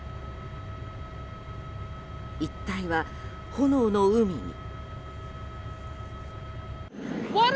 一帯は炎の海に。